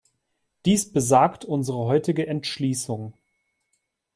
Dies besagt unsere heutige Entschließung.